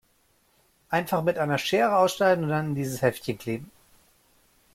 Einfach mit einer Schere ausschneiden und dann in dieses Heftchen kleben.